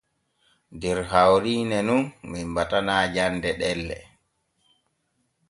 Der hawrine nun men batana jande ɗelle.